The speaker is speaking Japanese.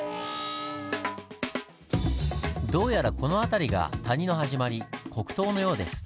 どうやらこの辺りが谷の始まり「谷頭」のようです。